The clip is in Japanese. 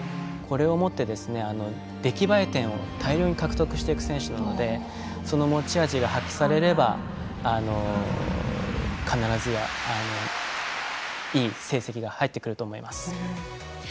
これをもって出来栄え点を大量に獲得していく選手なのでその持ち味が発揮されれば必ずや、いい成績が入ってくると思います。